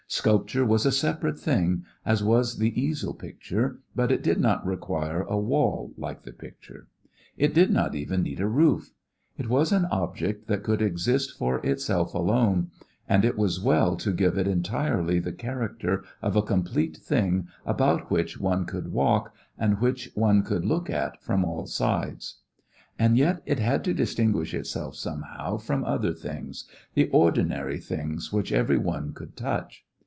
Sculpture was a separate thing, as was the easel picture, but it did not require a wall like the picture. It did not even need a roof. It was an object that could exist for itself alone, and it was well to give it entirely the character of a complete thing about which one could walk, and which one could look at from all sides. And yet it had to distinguish itself somehow from other things, the ordinary things which everyone could touch.